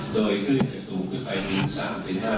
โดยพืชจะสูงขึ้นไปถึง๓๕เมตร